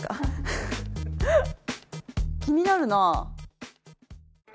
気になるなぁ。